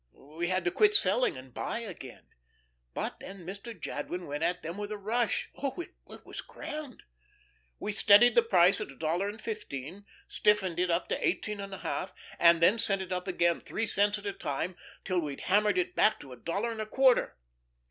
We had to quit selling, and buy again. But then Mr. Jadwin went at them with a rush. Oh, it was grand! We steadied the price at a dollar and fifteen, stiffened it up to eighteen and a half, and then sent it up again, three cents at a time, till we'd hammered it back to a dollar and a quarter."